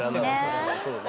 そうね